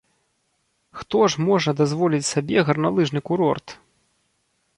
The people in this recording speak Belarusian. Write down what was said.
Хто ж можа дазволіць сабе гарналыжны курорт?